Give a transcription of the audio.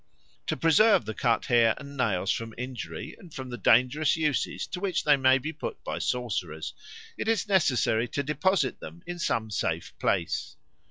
To preserve the cut hair and nails from injury and from the dangerous uses to which they may be put by sorcerers, it is necessary to deposit them in some safe place.